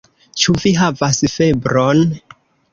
Ĉu vi havas febron?